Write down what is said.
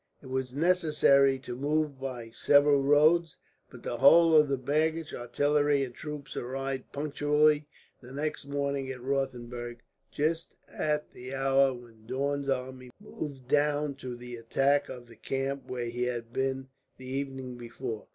It was necessary to move by several roads, but the whole of the baggage, artillery, and troops arrived punctually the next morning at Rothenburg, just at the hour when Daun's army moved down to the attack of the camp where he had been the evening before.